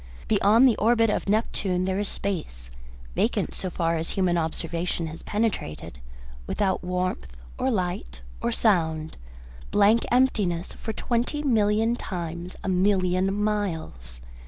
Beyond the orbit of Neptune there is space, vacant so far as human observation has penetrated, without warmth or light or sound, blank emptiness, for twenty million times a million miles.